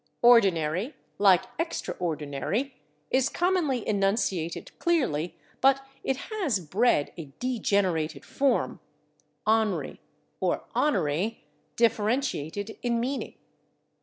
/Ordinary/, like /extraordinary/, is commonly enunciated clearly, but it has bred a degenerated form, /onry/ or /onery/, differentiated in meaning.